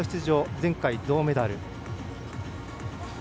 前回、銅メダル。